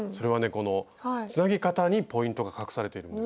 このつなぎ方にポイントが隠されているんです。